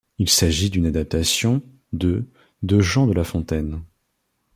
Il s'agit d'une adaptation de de Jean de La Fontaine.